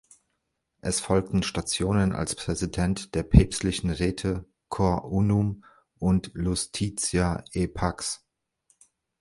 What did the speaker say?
Es folgten Stationen als Präsident der päpstlichen Räte "Cor Unum" und "Iustitia et Pax".